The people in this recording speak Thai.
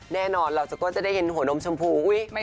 แน่นอนเราก็จะได้เห็นหัวนมชมพู